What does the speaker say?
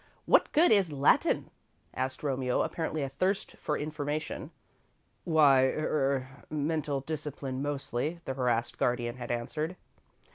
"What good is Latin?" asked Romeo, apparently athirst for information. "Why er mental discipline, mostly," the harassed guardian had answered.